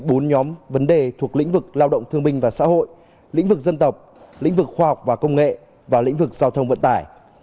bốn nhóm vấn đề thuộc lĩnh vực lao động thương minh và xã hội lĩnh vực dân tộc lĩnh vực khoa học và công nghệ và lĩnh vực giao thông vận tải